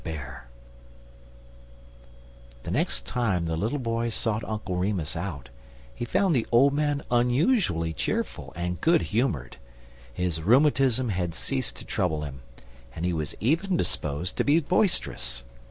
BEAR THE next time the little boy sought Uncle Remus out, he found the old man unusually cheerful and good humoured. His rheumatism had ceased to trouble him, and he was even disposed to be boisterous.